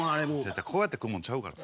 こうやって食うもんちゃうからな。